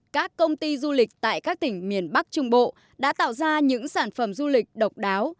các công ty du lịch tại các tỉnh miền bắc trung bộ đã tạo ra những sản phẩm du lịch độc đáo